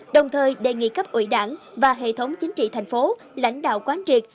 đồng thời đề nghị cấp ủy đảng và hệ thống chính trị thành phố lãnh đạo quán triệt